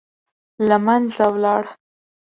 له منځه ولاړ.